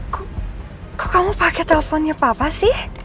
kok kamu pakai teleponnya papa sih